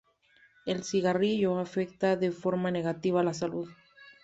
El cigarrillo afecta de forma negativa a la salud.